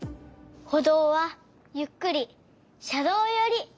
ほどうはゆっくりしゃどうより。